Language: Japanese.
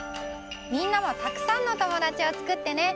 みんなもたくさんの友だちをつくってね！